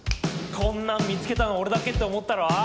こんなん見つけたの俺だけって思ったろ？